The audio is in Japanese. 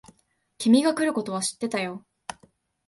君が来ることは知ってたよ。